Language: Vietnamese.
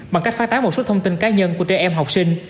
bằng cách phá tán một số thông tin cá nhân của trẻ em học sinh